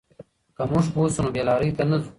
که موږ پوه شو، نو بې لارۍ ته نه ځو.